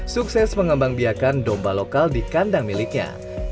sukses mengembang biakan domba lokal di kandang miliknya